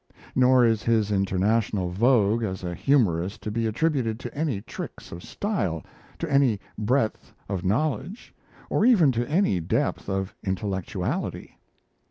Nor is his international vogue as a humorist to be attributed to any tricks of style, to any breadth of knowledge, or even to any depth of intellectuality.